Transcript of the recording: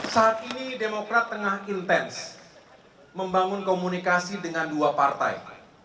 saat ini demokrat tengah intens membangun komunikasi dengan dua partai